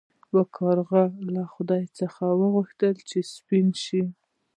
یو کارغه له خدای څخه وغوښتل چې سپین شي.